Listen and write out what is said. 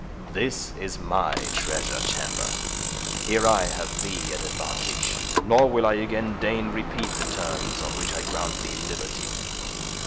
This is MY treasure chamber. Here I have thee at advantage, nor will I again deign to repeat the terms on which I grant thee liberty."